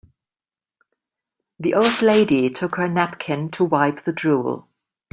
The old lady took her napkin to wipe the drool.